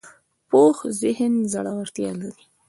پوخ ذهن زړورتیا لري